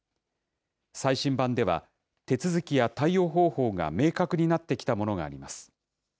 最新版では、手続きや対応方法が明確になってきたものがあります。